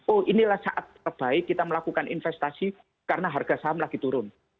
oh inilah saat terbaik kita melakukan investasi karena harga saham lagi turun